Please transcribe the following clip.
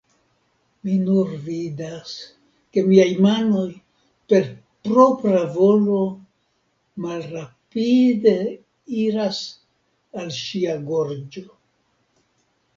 Mi nur vidas, ke miaj manoj, per propra volo, malrapide iras al ŝia gorĝo...